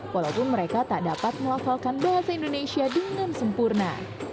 walaupun mereka tak dapat melafalkan bahasa indonesia dengan sempurna